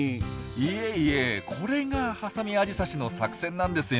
いえいえこれがハサミアジサシの作戦なんですよ。